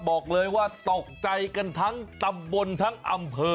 บอกเลยว่าตกใจกันทั้งตำบลทั้งอำเภอ